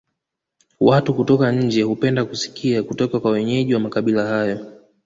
Watu kutoka nje hupenda kusikia kutoka kwa wenyeji wa makabila hayo